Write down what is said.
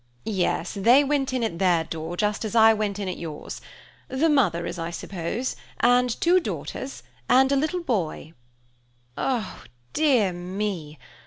"Yes, they went in at their door just as I went in at yours. The mother, as I suppose, and two daughters, and a little boy." "Oh dear me!